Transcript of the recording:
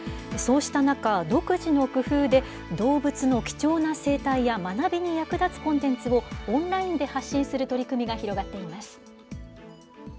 そうした中、独自の工夫で、動物の貴重な生態や、学びに役立つコンテンツを、オンラインで発信する取り組みが広がっています。